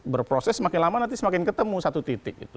berproses makin lama nanti semakin ketemu satu titik